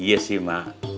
iya sih mak